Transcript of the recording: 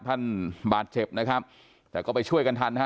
ท่านบาดเจ็บนะครับแต่ก็ไปช่วยกันทันฮะ